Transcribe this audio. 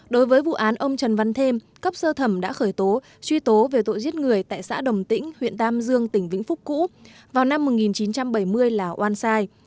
đối với vụ án ông trần văn thêm cấp sơ thẩm đã khởi tố truy tố về tội giết người tại xã đồng tĩnh huyện tam dương tỉnh vĩnh phúc cũ vào năm một nghìn chín trăm bảy mươi là oan sai